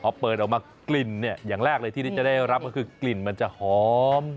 พอเปิดออกมากลิ่นเนี่ยอย่างแรกเลยที่ที่จะได้รับก็คือกลิ่นมันจะหอม